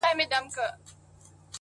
سالم فکر سالم ژوند جوړوي